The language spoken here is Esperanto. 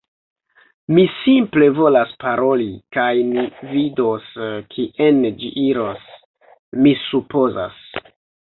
Mi simple volas paroli kaj ni vidos kien ĝi iros, mi supozas.